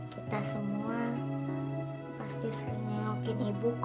kita semua pasti sering ngopiin ibu kok